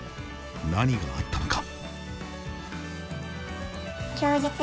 何があったのか。